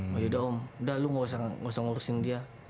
wah yaudah om udah lu nggak usah ngurusin dia